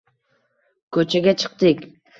Ko`chaga chiqdik